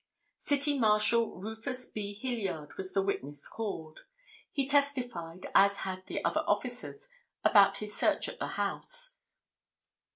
City Marshal Rufus B. Hilliard was the witness called. He testified as had the other officers about his search at the house.